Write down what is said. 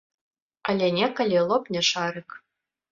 Але некалі лопне шарык.